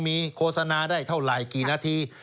มีโฆษณาได้เท่าไหร่กี่นาที